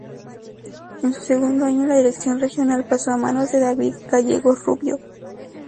En su segundo año, la Dirección Regional pasó a manos de David Gallegos Rubio.